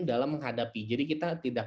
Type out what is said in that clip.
dalam menghadapi jadi kita tidak